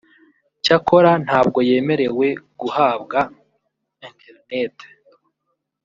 Cyakora ntabwo yemerewe guhabwa (Internet)